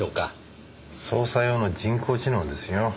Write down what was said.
捜査用の人工知能ですよ。